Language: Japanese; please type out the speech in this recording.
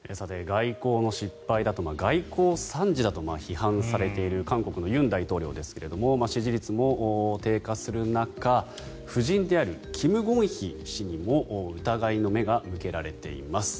外交の失敗だと外交惨事だと批判されている韓国の尹大統領ですが支持率も低下する中夫人であるキム・ゴンヒ氏にも疑いの目が向けられています。